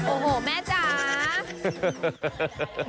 โอ้โหแม่จ๋า